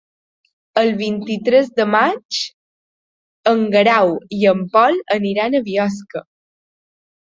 El vint-i-tres de maig en Guerau i en Pol aniran a Biosca.